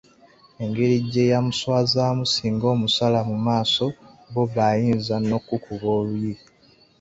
Engeri gye yamuswazaamu singa amusala mu maaso Bob ayinza n’okumukuba oluyi.